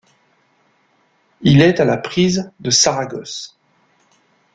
Il est à la prise de Saragosse.